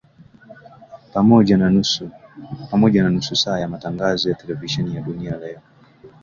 pamoja na nusu saa ya matangazo ya televisheni ya Duniani Leo